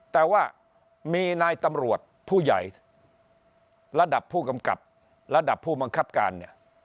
แต่ว่ามีนายตำรวจผู้ใหญ่ระดับผู้กำกับระดับผู้บังคับการเนี่ย